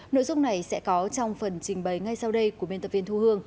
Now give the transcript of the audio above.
nội dung này sẽ có trong phần trình bày ngay sau đây của biên tập viên thu hương